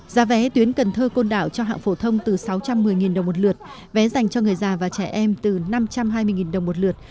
giá vé tuyến cần thơ côn đảo cho hạng phổ thông từ sáu trăm một mươi đồng một lượt vé dành cho người già và trẻ em từ năm trăm hai mươi đồng một lượt